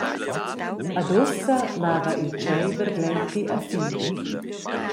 Ed ussa mava il tscheiver gleiti a fin.